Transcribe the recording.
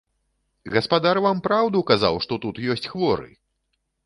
Гаспадар вам праўду казаў, што тут ёсць хворы!